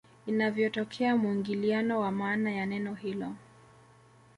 Ilivyotokea muingiliano wa maana ya neno hilo